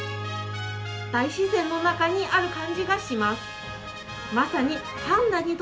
大自然の中にある感じがします。